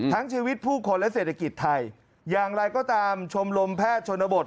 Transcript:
ทั้งชีวิตผู้คนและเศรษฐกิจไทยอย่างไรก็ตามชมรมแพทย์ชนบท